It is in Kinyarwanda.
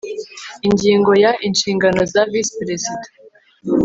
Ingingo ya Inshingano za Visi Perezida